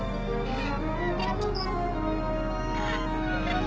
えっ？